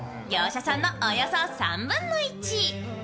業者さんのおよそ３分の１。